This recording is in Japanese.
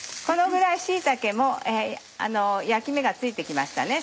このぐらい椎茸も焼き目がついて来ました。